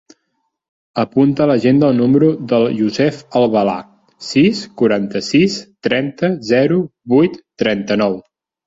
Apunta a l'agenda el número del Youssef Albala: sis, quaranta-sis, trenta, zero, vuit, trenta-nou.